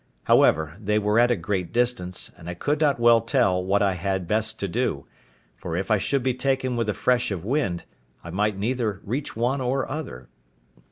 However, they were at a great distance, and I could not well tell what I had best to do; for if I should be taken with a fresh of wind, I might neither reach one or other.